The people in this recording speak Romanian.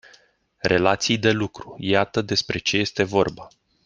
Relații de lucru, iată despre ce este vorba.